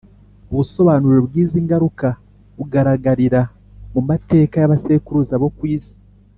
. Ubusobanuro bw’izi ngaruka bugaragarira mu mateka ya basekuruza bo ku isi.